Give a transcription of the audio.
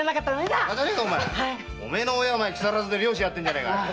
バカやろうお前の親は木更津で漁師やってるじゃねえか。